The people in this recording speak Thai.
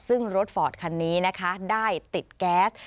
ซึ่งรถฟอร์ดคันนี้นะคะได้ติดแก๊ส